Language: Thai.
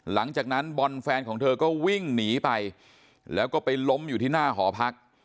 หลังจากนั้นบอลแฟนของเธอก็วิ่งหนีไปแล้วก็ไปล้มอยู่ที่หน้าหอพัก